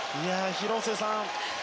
広瀬さん